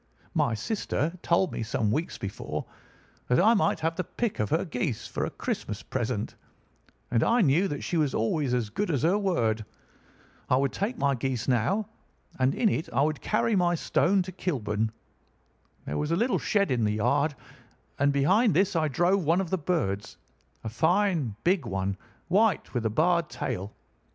"My sister had told me some weeks before that I might have the pick of her geese for a Christmas present, and I knew that she was always as good as her word. I would take my goose now, and in it I would carry my stone to Kilburn. There was a little shed in the yard, and behind this I drove one of the birds—a fine big one, white, with a barred tail.